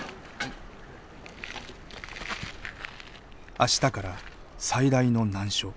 明日から最大の難所